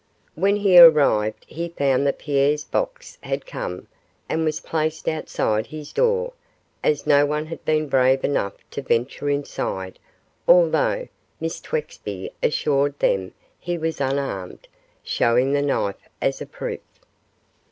When he arrived he found that Pierre's box had come, and was placed outside his door, as no one had been brave enough to venture inside, although Miss Twexby assured them he was unarmed showing the knife as a proof.